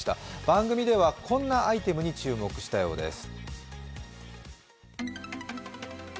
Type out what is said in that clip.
番組ではこんなアイテムに注目したようです。